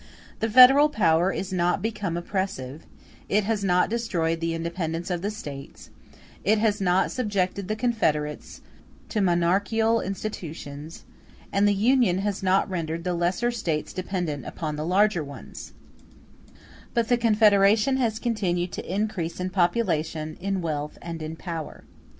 The federal power is not become oppressive; it has not destroyed the independence of the States; it has not subjected the confederates to monarchial institutions; and the Union has not rendered the lesser States dependent upon the larger ones; but the confederation has continued to increase in population, in wealth, and in power.